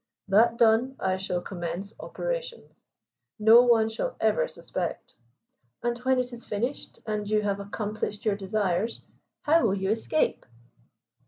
That done, I shall commence operations. No one shall ever suspect!" "And when it is finished, and you have accomplished your desires, how will you escape?"